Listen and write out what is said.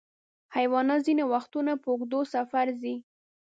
حیوانات ځینې وختونه په اوږده سفر ځي.